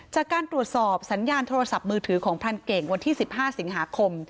จากการตรวจสอบสัญญาณโทรศัพท์มือถือของพรานเก่งวันที่๑๕สิงหาคม